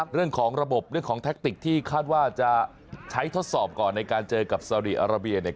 เรื่องของระบบเรื่องของแท็กติกที่คาดว่าจะใช้ทดสอบก่อนในการเจอกับสาวดีอาราเบียเนี่ย